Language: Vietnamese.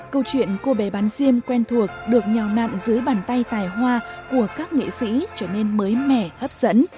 câu chuyện cô bé bán xiêm quen thuộc được nhào nặn dưới bàn tay tài hoa của các nghệ sĩ trở nên mới mẻ hấp dẫn